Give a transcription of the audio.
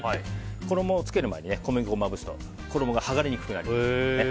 衣をつける前に小麦粉をまぶしておくと衣が剥がれにくくなります。